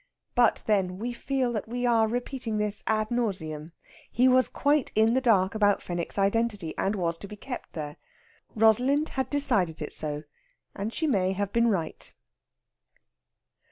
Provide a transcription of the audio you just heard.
But, then we feel that we are repeating this ad nauseam he was quite in the dark about Fenwick's identity, and was to be kept there. Rosalind had decided it so, and she may have been right.